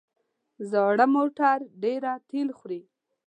زاړه موټر ډېره تېل خوري.